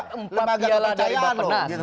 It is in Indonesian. dia dapat empat piala dari bapak penas